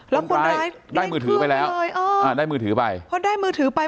แล้วคนร้ายได้มือถือไปแล้วอ่าได้มือถือไปพอได้มือถือไป